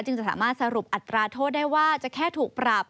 จะสามารถสรุปอัตราโทษได้ว่าจะแค่ถูกปรับ